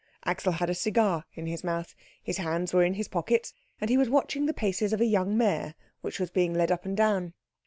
Axel had a cigar in his mouth; his hands were in his pockets, and he was watching the paces of a young mare which was being led up and down.